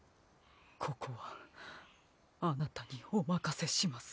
ここはあなたにおまかせします。